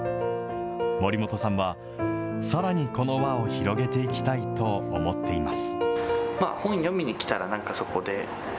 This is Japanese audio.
守本さんは、さらにこの輪を広げていきたいと思っています。